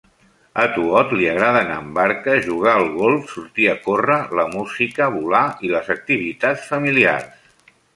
A Thuot li agrada anar en barca, jugar al golf, sortir a córrer, la música, volar i les activitats familiars.